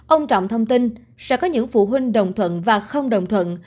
ông trọng thông tin sẽ có những phụ huynh đồng thuận và không đồng thuận